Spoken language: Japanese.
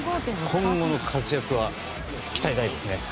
今後の活躍は期待大ですね。